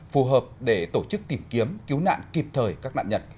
phù hợp để tổ chức tìm kiếm cứu nạn kịp thời các nạn nhân